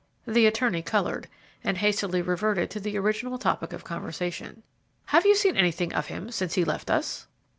The attorney colored, and hastily reverted to the original topic of conversation. "Have you seen anything of him since he left us?"